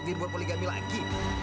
takdir buat poligami lagi